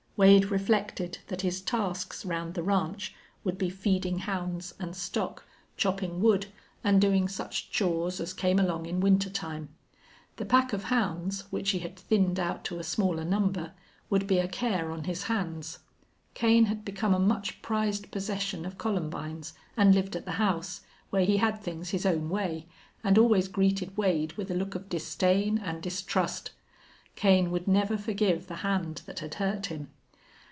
Wade reflected that his tasks round the ranch would be feeding hounds and stock, chopping wood, and doing such chores as came along in winter time. The pack of hounds, which he had thinned out to a smaller number, would be a care on his hands. Kane had become a much prized possession of Columbine's and lived at the house, where he had things his own way, and always greeted Wade with a look of disdain and distrust. Kane would never forgive the hand that had hurt him.